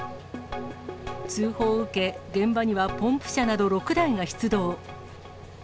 通報を受け、現場にはポンプ車など６台が出動。